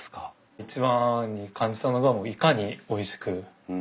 一番に感じたのがいかにおいしく作るか。